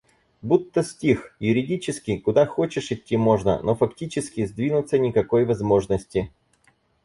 Будто стих. Юридически — куда хочешь идти можно, но фактически — сдвинуться никакой возможности.